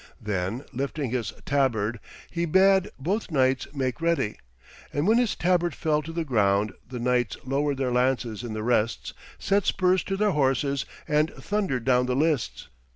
Then, lifting his tabard, he bade both knights make ready; and when his tabard fell to the ground, the knights lowered their lances in the rests, set spurs to their horses, and thundered down the lists.